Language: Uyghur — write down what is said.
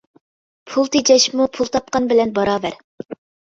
پۇل تېجەشمۇ پۇل تاپقان بىلەن باراۋەر.